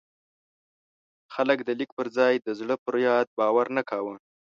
خلک د لیک پر ځای د زړه پر یاد باور نه کاوه.